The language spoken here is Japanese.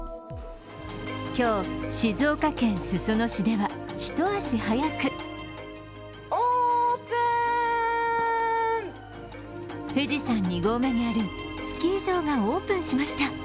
今日、静岡県裾野市では一足早く富士山２合目にあるスキー場がオープンしました。